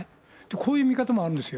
こういう見方もあるんですよ。